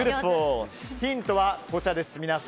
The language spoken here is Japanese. ヒントはこちらです。